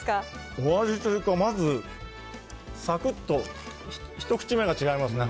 お味というか、まず、さくっと一口めが違いますね。